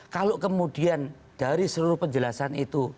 kalau kemudian dari seluruh penjelasan itu